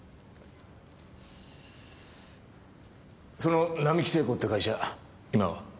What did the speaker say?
その並木精工って会社今は？